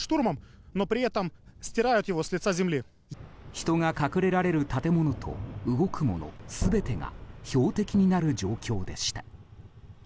人が隠れられる建物と動くもの全てが標的になる状況でした。